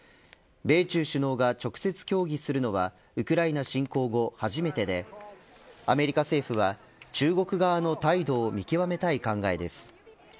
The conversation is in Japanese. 米中首脳が直接協議するのはウクライナ侵攻後、初めてでアメリカ政府は中国側の態度を見極めたい考えです。